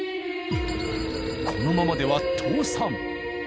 このままでは倒産。